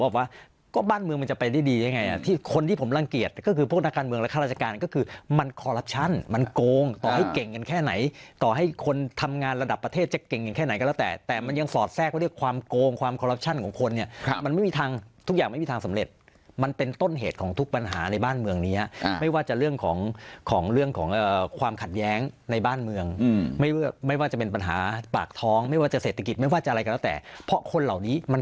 กับประเทศจะเก่งอย่างแค่ไหนก็แล้วแต่แต่มันยังสอดแทรกว่าความโกงความคอรับชั่นของคนเนี่ยมันไม่มีทางทุกอย่างไม่มีทางสำเร็จมันเป็นต้นเหตุของทุกปัญหาในบ้านเมืองนี้ไม่ว่าจะเรื่องของของเรื่องของความขัดแย้งในบ้านเมืองไม่ว่าจะเป็นปัญหาปากท้องไม่ว่าจะเศรษฐกิจไม่ว่าจะอะไรก็แล้วแต่เพราะคน